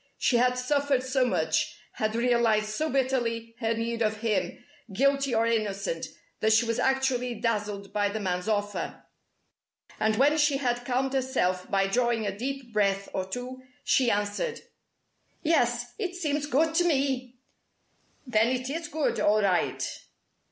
She had suffered so much, had realized so bitterly her need of him guilty or innocent that she was actually dazzled by the man's offer. And when she had calmed herself by drawing a deep breath or two, she answered: "Yes, it seems good to me!" "Then it is good, all right!"